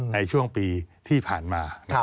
ในช่วงปีที่ผ่านมา